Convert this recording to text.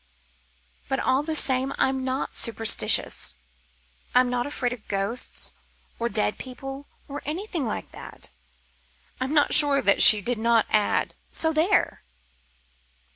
But all the same, I'm not superstitious. I'm not afraid of ghosts or dead people, or things like that" I'm not sure that she did not add, "So there!"